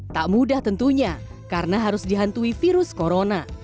tak mudah tentunya karena harus dihantui virus corona